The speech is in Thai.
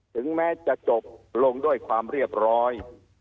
ถึงแม้จะจบลงด้วยความเรียบร้อย